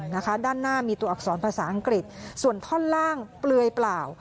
ด้านหน้ามีตัวอักษรภาษาอังกฤษส่วนท่อนล่างเปลือยเปล่า